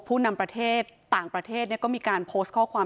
ผู้นำประเทศต่างประเทศก็มีการโพสต์ข้อความ